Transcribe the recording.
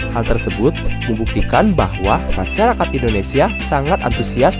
hal tersebut membuktikan bahwa masyarakat indonesia sangat antusias